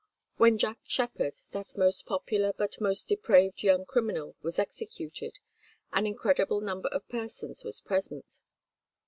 When Jack Sheppard, that most popular but most depraved young criminal, was executed, an incredible number of persons was present.